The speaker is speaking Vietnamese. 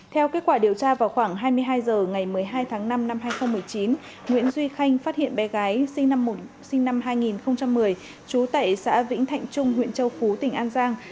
theo kết quả điều tra vào khoảng hai mươi hai h ngày một mươi hai tháng năm năm hai nghìn một mươi chín nguyễn duy khanh phát hiện bé gái sinh năm hai nghìn một mươi trú tại xã vĩnh thạnh trung huyện châu phú tỉnh an giang